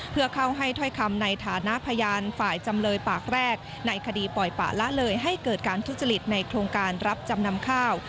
เพื่อเข้าให้ถ้อยคำในฐานะพยานฝ่ายจำเลยปากแรกในคดีปล่อยปะละเลยให้เกิดการทุจริตในโครงการรับจำนำข้าว